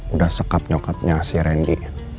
udah sekap nyokapnya si randy